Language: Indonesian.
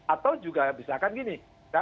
atau juga bisa kan gini